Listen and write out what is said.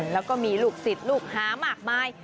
แล้วก็มีลูกศิษย์ลูกหามากมาย